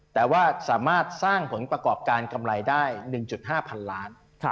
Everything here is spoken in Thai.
แต่ว่าสามารถสร้างผลประกอบการกำไรได้๑๕พันล้าน